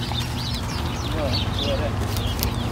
Ja, du har rätt.